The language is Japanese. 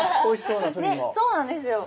そうなんですよ。